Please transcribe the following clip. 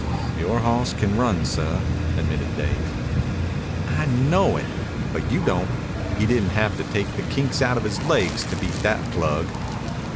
"Yore hoss can run, seh," admitted Dave. "I know it, but you don't. He didn't have to take the kinks out of his legs to beat that plug."